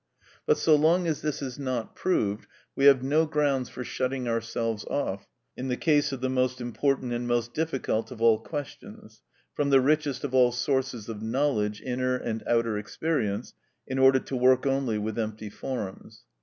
But so long as this is not proved, we have no grounds for shutting ourselves off, in the case of the most important and most difficult of all questions, from the richest of all sources of knowledge, inner and outer experience, in order to work only with empty forms.